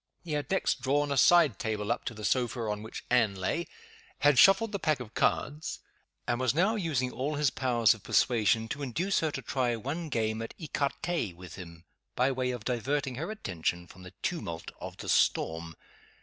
He had next drawn a side table up to the sofa on which Anne lay had shuffled the pack of cards and was now using all his powers of persuasion to induce her to try one game at Ecarte with him, by way of diverting her attention from the tumult of the storm.